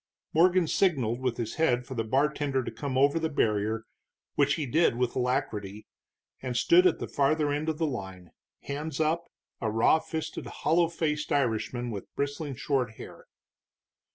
Morgan signaled with his head for the bartender to come over the barrier, which he did, with alacrity, and stood at the farther end of the line, hands up, a raw fisted, hollow faced Irishman with bristling short hair.